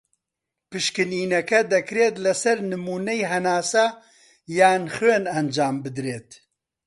پشکنینەکە دەکرێت لە سەر نمونەی هەناسە یان خوێن ئەنجام بدرێت.